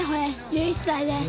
１１歳です。